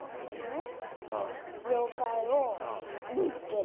妖怪を見つける。